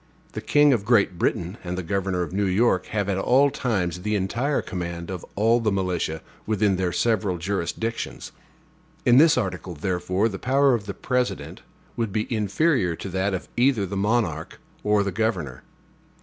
The king of Great Britain and the governor of New York have at all times the entire command of all the militia within their several jurisdictions. In this article, therefore, the power of the President would be inferior to that of either the monarch or the governor.